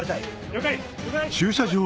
了解！